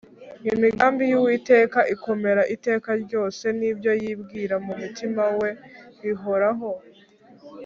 Imigambi y’uwiteka ikomera iteka ryose, ibyo yibwira mu mutima we bihoraho